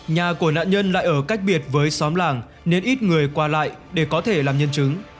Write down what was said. nhà của nạn nhân lại ở cách biệt với xóm làng nên ít người qua lại để có thể làm nhân chứng